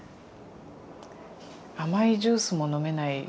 甘いジュースも飲めない。